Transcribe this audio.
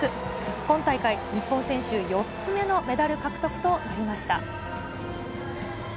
今大会、日本選手４つ目のメダル獲得となりました。